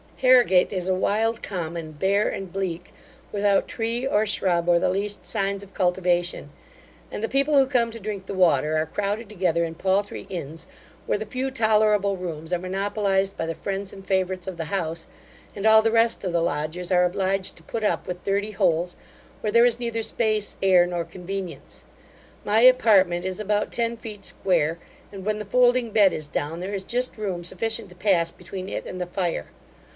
Harrigate is a wild common, bare and bleak, without tree or shrub, or the least signs of cultivation; and the people who come to drink the water, are crowded together in paltry inns, where the few tolerable rooms are monopolized by the friends and favourites of the house, and all the rest of the lodgers are obliged to put up with dirty holes, where there is neither space, air, nor convenience. My apartment is about ten feet square; and when the folding bed is down, there is just room sufficient to pass between it and the fire.